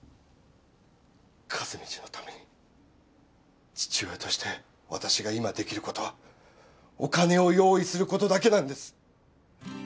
和道のために父親として私が今できることはお金を用意することだけなんです。